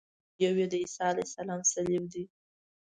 یو یې د عیسی علیه السلام صلیب دی.